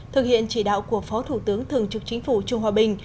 thực hiện chỉ đạo của phó thủ tướng thường trực chính phủ trương hòa bình